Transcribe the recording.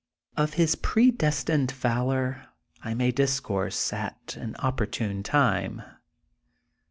Of his predestined valor I may discourse at an op portune time.